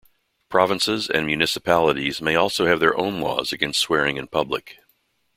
Provinces and municipalities may also have their own laws against swearing in public.